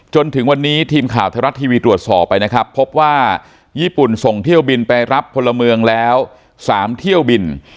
จนถึงวันนี้ทีมข่าวไทยรัฐทีวีตรวจสอบไปนะครับพบว่าญี่ปุ่นส่งเที่ยวบินไปรับพลเมืองแล้ว๓เที่ยวบิน